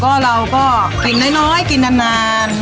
ก็เราก็กินน้อยกินนานนาน